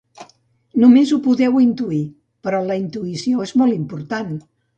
Només ho podeu intuir, però la intuïció és molt important.